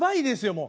もう。